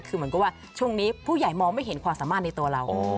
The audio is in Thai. คือเหมือนกับว่าช่วงนี้ผู้ใหญ่มองไม่เห็นความสามารถในตัวเรา